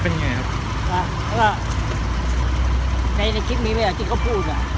ตาก็ในคลิปนี้เวลาจริงเขาพูดนะ